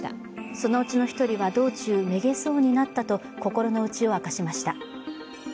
そのうちの１人は道中、めげそうになったと心のうちを明かしました。